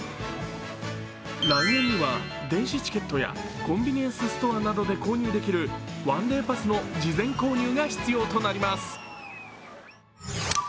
来園には電子チケットやコンビニエンスストアなどで購入できる１Ｄａｙパスの事前購入が必要となります。